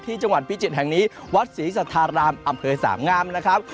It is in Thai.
ที่จังหวัดพิจิตรแห่งนี้วัดศรีสัทธารามอำเภอสามงามนะครับ